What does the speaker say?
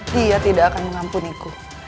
dia tidak akan mengampuniku